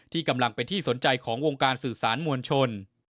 กำลังเป็นที่สนใจของวงการสื่อสารมวลชน